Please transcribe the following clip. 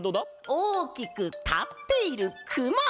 おおきくたっているくま！